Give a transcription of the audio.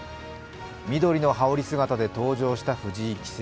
緑の羽織姿で登場した藤井棋聖。